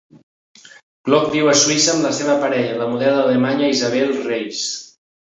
Glock viu a Suïssa amb la seva parella, la model alemanya Isabell Reis.